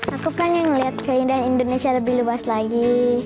aku pengen ngeliat keindahan indonesia lebih luas lagi